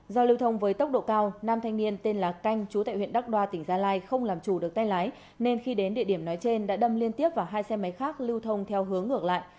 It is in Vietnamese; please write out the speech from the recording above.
do lưu thông với tốc độ cao nam thanh niên tên là canh chú tại huyện đắk đoa tỉnh gia lai không làm chủ được tay lái nên khi đến địa điểm nói trên đã đâm liên tiếp vào hai xe máy khác lưu thông theo hướng ngược lại